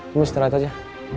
kamu istirahat aja